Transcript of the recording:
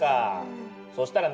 そしたらね